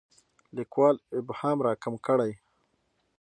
لیکوال ابهام راکم کړي.